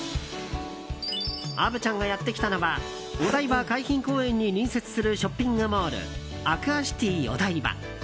虻ちゃんがやってきたのはお台場海浜公園に隣接するショッピングモールアクアシティお台場。